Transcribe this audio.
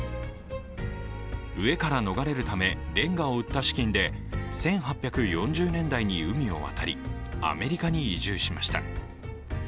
飢えから逃れるため、れんがを売った資金で１８４０年代に海に渡り、アメリカに移住しました。